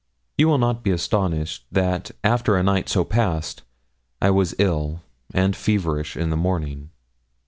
You will not be astonished, that after a night so passed I was ill and feverish in the morning.